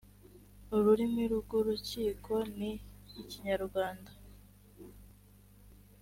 ururimi rw urukiko ni ikinyarwanda